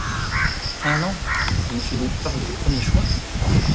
Un an? Je ne suis donc pas votre premier choix ?